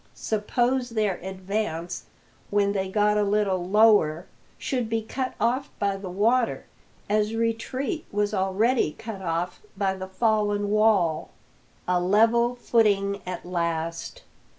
Suppose their advance, when they got a little lower, should be cut off by the water, as retreat was already cut off by the fallen wall! A level footing at last!